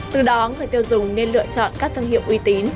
từ đó người tiêu dùng nên lựa chọn các thương hiệu uy tín